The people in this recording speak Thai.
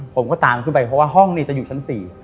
ผมก็ตามขึ้นไปเพราะว่าห้องนี่จะอยู่ชั้น๔